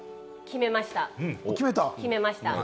決めました。